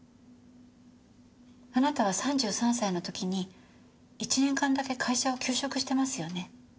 あなたは３３歳の時に１年間だけ会社を休職してますよね？